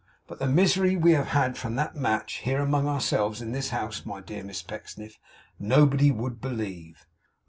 But the misery we have had from that match, here among ourselves, in this house, my dear Miss Pecksniff, nobody would believe.